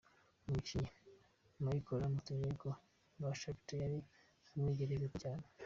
Umukinnyi Mykola Matviyenko wa Shakhtar yari amwegereye gato cyane.